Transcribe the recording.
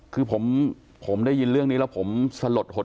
คือผมได้ยินเรื่องนี้แล้วผมสลดหดหัวใจมาก